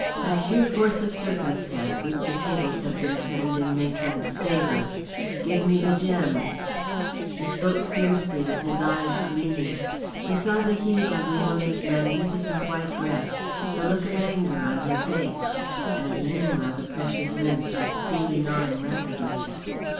By sheer force of circumstances the tables have been turned in Maitrank's favour. Give me the gems!" He spoke fiercely, with his eyes gleaming. He saw the heave of Leona's magnificent white breast, the look of anger on her face. And meanwhile the precious minutes were stealing on rapidly.